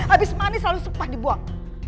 habis manis lalu sumpah dibuang